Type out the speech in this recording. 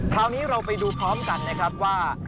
คราวนี้เราไปดูพร้อมกันนะครับว่า